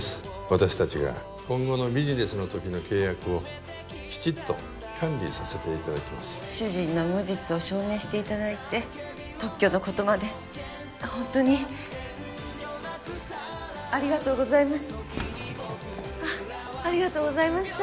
私達が今後のビジネスのときの契約をきちっと管理させていただきます主人の無実を証明していただいて特許のことまでホントにありがとうございますあっありがとうございました